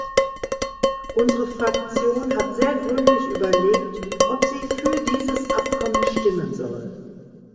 Unsere Fraktion hat sehr gründlich überlegt, ob sie für dieses Abkommen stimmen soll.